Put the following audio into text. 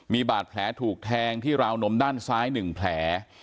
มีบาดแผลถูกแทงที่ราวนมด้านซ้าย๑แผล